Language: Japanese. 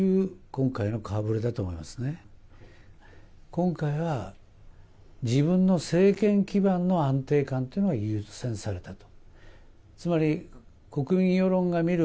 今回は自分の政権基盤の安定感が優先されたと。